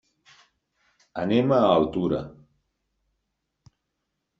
Anem a Altura.